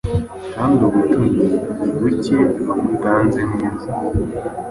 Kandi ubutoni ni buke bamutanze neza